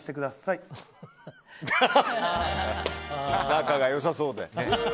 仲が良さそうで。